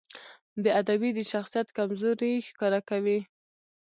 بېادبي د شخصیت کمزوري ښکاره کوي.